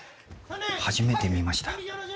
初めて見ました。